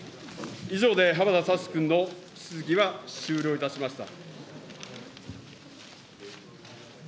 以上で浜田聡君の質疑は終了いたしました。